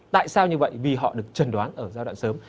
tại sao như vậy vì họ được trần đoán ở giai đoạn sớm